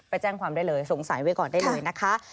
ไปแจ้งความได้เลยสงสัยไว้ก่อนได้เลยนะคะ